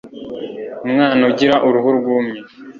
umwana ugira uruhu rwumye